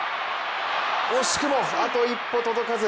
惜しくもあと一歩届かず。